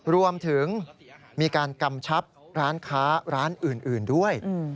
รวมถึงมีการกำชับร้านค้าร้านอื่นด้วย